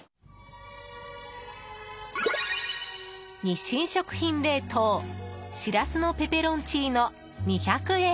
日清食品冷凍しらすのペペロンチーノ２００円。